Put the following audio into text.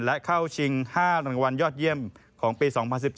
และเข้าชิง๕รางวัลยอดเยี่ยมของปี๒๐๑๔